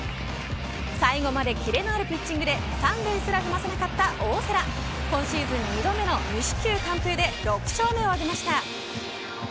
最後まで切れのあるピッチングで３塁すら踏ませなかった大瀬良今シーズン２度目の無四球完封で６勝目を挙げました。